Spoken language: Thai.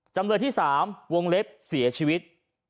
จำเลยที่๓วงเล็บเสียชีวิต